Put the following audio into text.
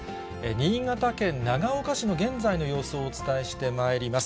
新潟県長岡市の現在の様子をお伝えしてまいります。